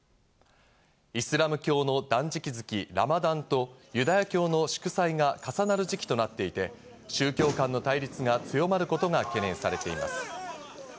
イスラム教の断食月・ラマダンと、ユダヤ教の祝祭が重なる時期となっていて、宗教間の対立が強まることが懸念されています。